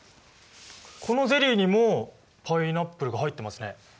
このゼリーにもパイナップルが入ってますね。